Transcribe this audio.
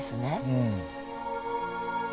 うん。